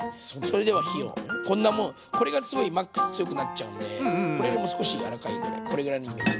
それでは火をこんなもうこれがすごいマックス強くなっちゃうんでこれのもう少し柔らかいぐらいこれぐらいのイメージ。